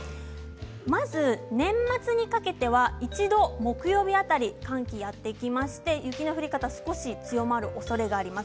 まず年末にかけては一度木曜日辺り寒気がやってきまして雪の降り方少し強まるおそれがあります。